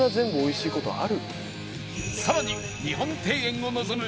さらに日本庭園を望む